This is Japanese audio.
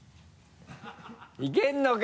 いけるのか？